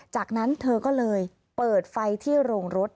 จากนั้นเธอก็เลยเปิดไฟที่โรงรถ